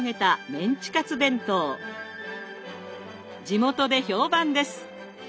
地元で評判です。